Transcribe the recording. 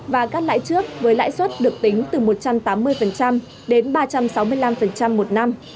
và cắt lãi trước với lãi suất được tính từ một trăm tám mươi đến ba trăm sáu mươi năm một năm